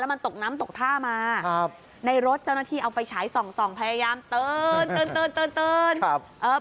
มันตกน้ำตกท่ามาครับในรถเจ้าหน้าที่เอาไฟฉายส่องส่องพยายามตื่นตื่น